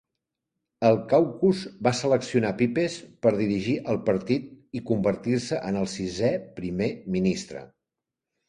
El "caucus" va seleccionar Pipes per dirigir el partit i convertir-se en el sisè primer ministre.